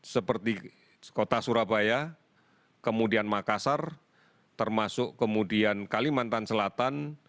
seperti kota surabaya kemudian makassar termasuk kemudian kalimantan selatan